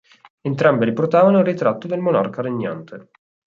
Entrambe riportavano il ritratto del monarca regnante.